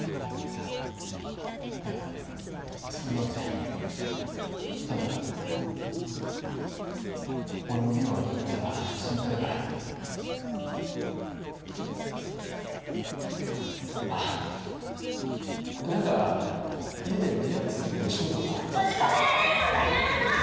いやそういうわけじゃただ俺も家を空けてる間心配だからあっ何か家でリラックスできる趣味とか閉じ込められるのが嫌なの！